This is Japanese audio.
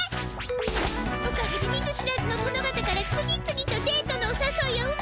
おかげで見ず知らずのとの方から次々とデートのおさそいを受け